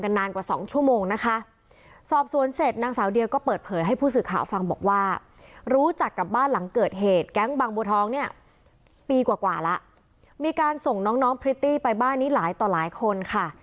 ก็สอบปากคำกันนานกว่า๒ชั่วโมงนะคะ